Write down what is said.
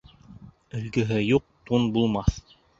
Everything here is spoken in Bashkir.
Өлгөһө юҡ тун булмаҫ.